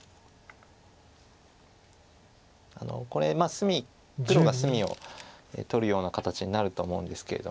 これ隅黒が隅を取るような形になると思うんですけれども。